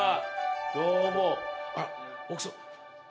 どうもあら奥様